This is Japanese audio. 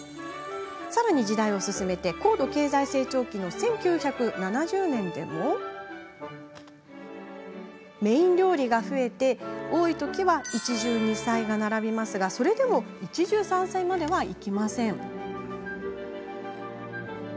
さらに、時代を進めて高度経済成長期の１９７０年でもメイン料理が増えて多いときは一汁二菜が並びますがそれでも一汁三菜まではいきません。